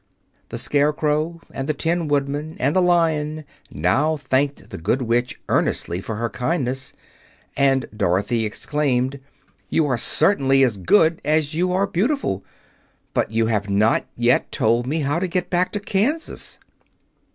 The Scarecrow and the Tin Woodman and the Lion now thanked the Good Witch earnestly for her kindness; and Dorothy exclaimed: "You are certainly as good as you are beautiful! But you have not yet told me how to get back to Kansas."